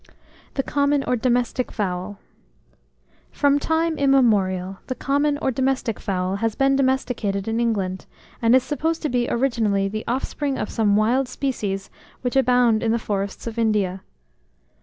THE COMMON OR DOMESTIC FOWL. From time immemorial, the common or domestic fowl has been domesticated in England, and is supposed to be originally the offspring of some wild species which abound in the forests of India.